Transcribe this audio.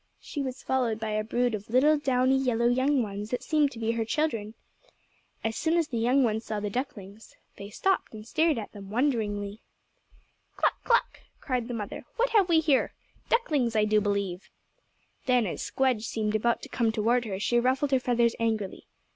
She was followed by a brood of little, downy, yellow young ones that seemed to be her children. As soon as the young ones saw the ducklings they stopped and stared at them wonderingly. [Illustration: So the two fowls said good bye to each other and parted] "Cluck! cluck!" cried the mother. "What have we here? Ducklings I do believe." Then as Squdge seemed about to come toward her she ruffled her feathers angrily.